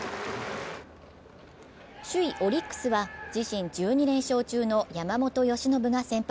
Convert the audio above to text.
首位・オリックスは自身１２連勝中の山本由伸が先発。